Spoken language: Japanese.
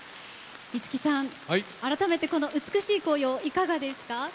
五木さん、改めてこの美しい紅葉、いかがですか？